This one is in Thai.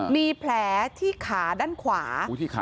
มีแผลที่ขาด้านขวา